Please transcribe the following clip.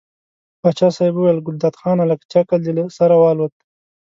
پاچا صاحب وویل ګلداد خانه لکه چې عقل دې له سره والوت.